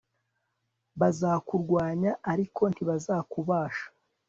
bazakurwanya ariko ntibazakubasha